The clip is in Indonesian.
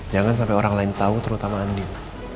jangan sampai orang lain tau terutama andin